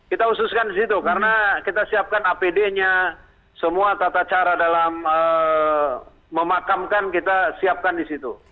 kita khususkan di situ karena kita siapkan apd nya semua tata cara dalam memakamkan kita siapkan di situ